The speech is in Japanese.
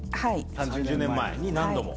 ３０年前に何度も。